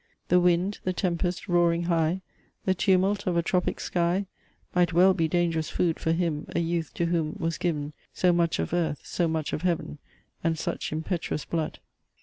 The wind, the tempest roaring high, The tumult of a tropic sky, Might well be dangerous food For him, a Youth to whom was given So much of earth so much of heaven, And such impetuous blood.